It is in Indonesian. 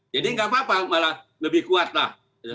jadi nggak apa apa malah lebih kuatlah